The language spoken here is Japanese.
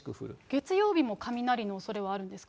月曜日も雷のおそれはあるんですか？